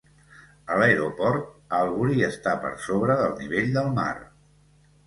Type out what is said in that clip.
A l'aeroport, Albury està per sobre del nivell del mar.